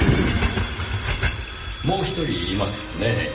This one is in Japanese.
もう一人いますよね。